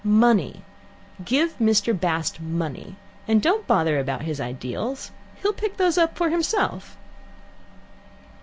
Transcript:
Money: give Mr. Bast money, and don't bother about his ideals. He'll pick up those for himself."